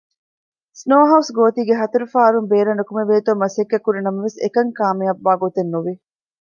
ސުނޯހައުސް ގޯތީގެ ހަތަރު ފާރުން ބޭރަށް ނުކުމެވޭތޯ މަސައްކަތްކުރި ނަމަވެސް އެކަން ކާމިޔާބުވާ ގޮތެއް ނުވި